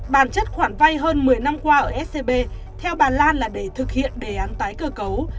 bản chất khoản vay hơn một mươi năm qua ở scb theo bà lan là để thực hiện đề án tái cơ cấu